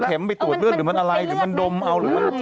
มันแถมไปตรวจเรื่องหรือมันอะไรหรือมันดมเอาหรือ